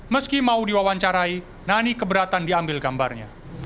meski mau diwawancarai nani keberatan diambil gambarnya